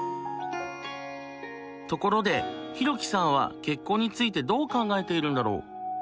ところでヒロキさんは結婚についてどう考えているんだろう？